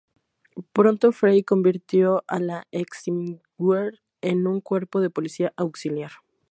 Pronto Fey convirtió a la Heimwehr en un cuerpo de policía auxiliar.